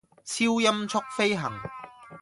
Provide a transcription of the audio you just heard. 超音速飛行